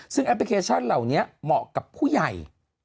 ซึ่งแอปพลิเคชันเหล่านี้เหมาะกับผู้ใหญ่